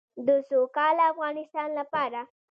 د سوکاله افغانستان لپاره.